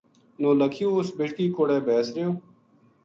نولکھیو اس بیٹکی کو ڑے بیس رہیو